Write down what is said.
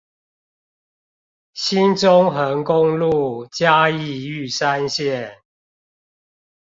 新中橫公路嘉義玉山線